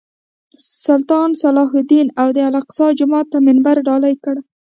سلطان صلاح الدین د الاقصی جومات ته منبر ډالۍ کړی.